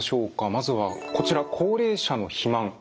まずはこちら高齢者の肥満。